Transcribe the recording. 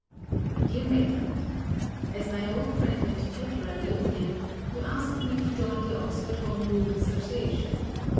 DEAR MAITLAND,—As my old friend and tutor at Lothian, you ask me to join the Oxford Home Rule Association.